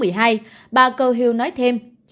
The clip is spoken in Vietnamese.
bà gohil nói thêm